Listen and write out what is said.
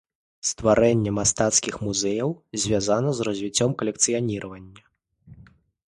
Стварэнне мастацкіх музеяў звязана з развіццём калекцыяніравання.